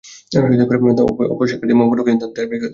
তবে অপর প্রার্থী মোবারক হোসেনকে তাঁর দুই ভাই দেড় লাখ টাকা দিয়েছেন।